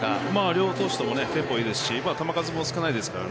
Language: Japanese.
両投手、テンポもいいですし球数も少ないですから。